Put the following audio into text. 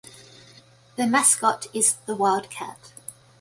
The mascot is the Wildcat.